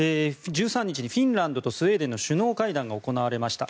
１３日にフィンランドとスウェーデンの首脳会談が行われました。